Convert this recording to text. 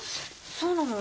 そうなの？